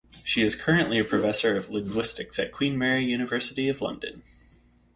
She is currently a professor of linguistics at Queen Mary, University of London.